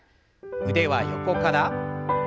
腕は横から。